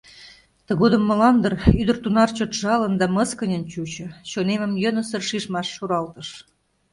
Тыгодым молан дыр ӱдыр тунар чот жалын да мыскыньын чучо, чонемым йӧнысыр шижмаш шуралтыш.